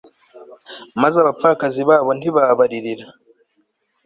maze abapfakazi babo ntibabaririra